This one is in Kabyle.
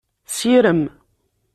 Sirem.